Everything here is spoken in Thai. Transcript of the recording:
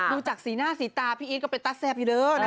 ดูจากสีหน้าสีตาพี่อีชก็เป็นตั๊ะแซ่บอยู่เดิมนะฮะ